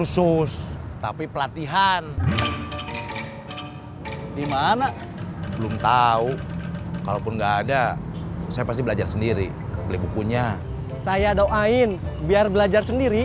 sampai jumpa di video selanjutnya